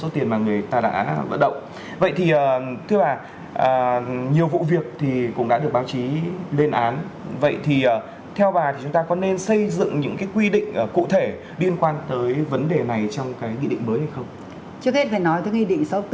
trước hết phải nói tới nghị định số bốn